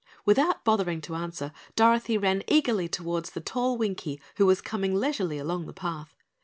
Without bothering to answer, Dorothy ran eagerly toward the tall Winkie who was coming leisurely along the path.